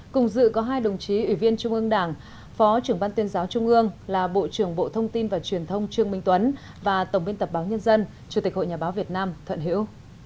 cùng dự có hai đồng chí ủy viên trung ương đảng phó trưởng ban tuyên giáo trung ương là bộ trưởng bộ thông tin và truyền thông trương minh tuấn và tổng biên tập báo nhân dân chủ tịch hội nhà báo việt nam thuận hữu